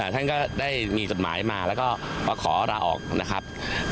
ท่านก็ได้มีจดหมายมาแล้วก็มาขอลาออกนะครับ